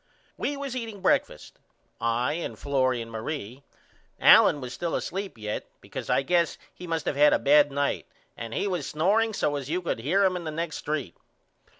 We was eating breakfast I and Florrie and Marie. Allen was still asleep yet because I guess he must of had a bad night and he was snoreing so as you could hear him in the next st.